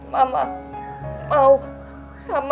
mama mau sama